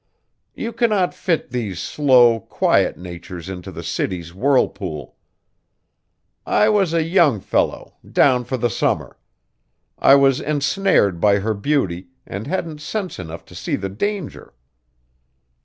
You cannot fit these slow, quiet natures into the city's whirlpool. I was a young fellow, down for the summer. I was ensnared by her beauty, and hadn't sense enough to see the danger.